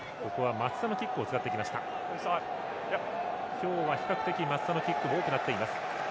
今日は比較的、松田のキックも多くなっています。